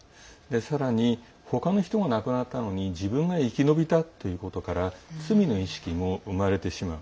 さらに他の人は亡くなったのに自分が生き延びたということから罪の意識も生まれてしまう。